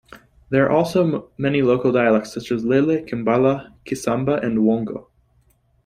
There are also many local dialects such as Lele, Kimbala, Kisamba, and Wongo.